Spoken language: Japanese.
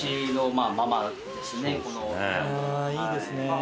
いいですね。